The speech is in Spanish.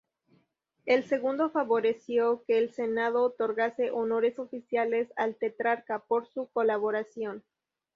El segundo favoreció que el Senado otorgase honores oficiales al tetrarca por su colaboración.